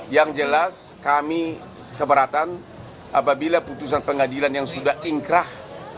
yang jelas kami keberatan apabila putusan pengadilan yang sudah ingkrah